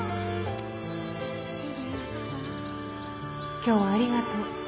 今日はありがとう。